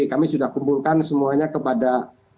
kita akan mengadakan semuanya kepada